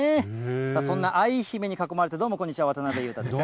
そんな愛姫に囲まれて、どうもこんにちは、渡辺裕太です。